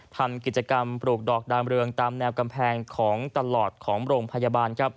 ทำกิจกรรมปลูกดอกดามเรืองตามแนวกำแพงของตลอดของโรงพยาบาล